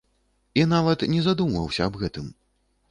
І нават не задумваўся аб гэтым.